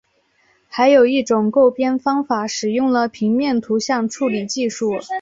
还有一种勾边方法使用了平面图像处理技术。